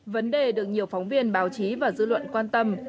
vấn đề được nhiều phóng viên báo chí và dư luận quan tâm